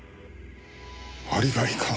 アリバイか？